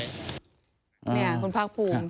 เนี่ยคุณภาคภูมิ